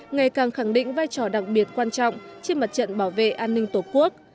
ngày càng khẳng định vai trò đặc biệt quan trọng trên mặt trận bảo vệ an ninh tổ quốc